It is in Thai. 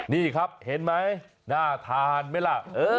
นี่ครับเห็นไหมน่าทานไหมล่ะ